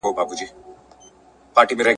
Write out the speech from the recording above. ږغ ته د زمري به د ګیدړو ټولۍ څه وايی..